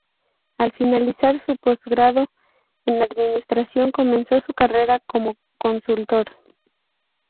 Al finalizar su postgrado en administración, comenzó su carrera como consultor.